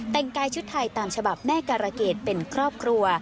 แต่งกายชุดไทยตามฉบับแม่การะเกดเป็นครอบครัว